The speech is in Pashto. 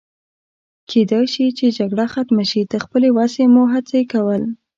کېدای شي چې جګړه ختمه شي، تر خپلې وسې مو هڅه کول.